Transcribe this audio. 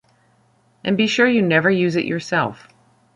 And be sure you never use it yourself.